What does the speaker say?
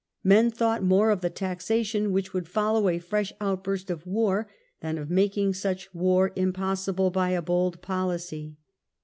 Men thought more of the taxation which would follow a fresh outburst of war than of making such war impossible by a bold policy.